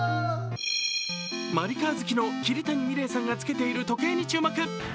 マリカー好きの桐谷美玲さんが着けている時計に注目。